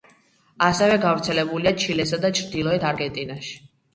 ასევე გავრცელებულია ჩილესა და ჩრდილოეთ არგენტინაში.